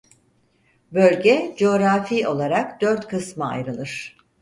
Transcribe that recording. Bölge coğrafi olarak dört kısma ayrılır.